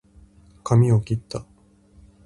かみをきった